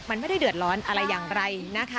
มันไม่ได้เดือดร้อนอะไรอย่างไรนะคะ